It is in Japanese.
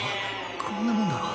こんなもんだろ。